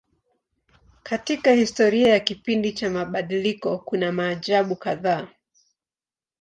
Katika historia ya kipindi cha mabadiliko kuna maajabu kadhaa.